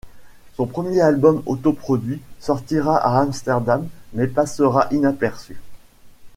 Son premier album auto-produit sortira à Amsterdam, mais passera inaperçu.